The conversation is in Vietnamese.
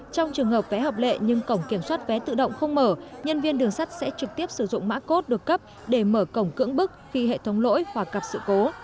trong trường hợp vé hợp lệ nhưng cổng kiểm soát vé tự động không mở nhân viên đường sắt sẽ trực tiếp sử dụng mã cốt được cấp để mở cổng cưỡng bức khi hệ thống lỗi hoặc gặp sự cố